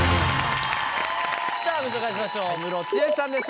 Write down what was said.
ご紹介しましょうムロツヨシさんです